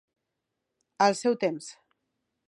Al seu temps.